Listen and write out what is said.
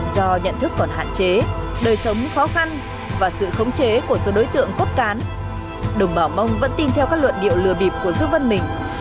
do nhận thức còn hạn chế đời sống khó khăn và sự khống chế của số đối tượng cốt cán đồng bào mông vẫn tin theo các luận điệu lừa bịp của dương văn mình